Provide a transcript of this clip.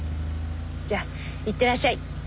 じゃあ行ってらっしゃい。